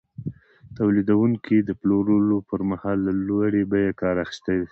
تولیدونکي د پلورلو پر مهال له لوړې بیې کار اخیستی دی